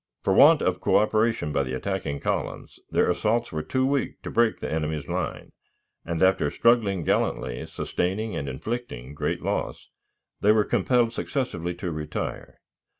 For want of coöperation by the attacking columns, their assaults were too weak to break the enemy's line; and, after struggling gallantly, sustaining and inflicting great loss, they were compelled successively to retire.